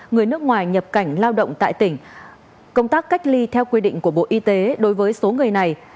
người nước ngoài nhập cảnh lao động tại tỉnh công tác cách ly theo quy định của bộ y tế đối với số người này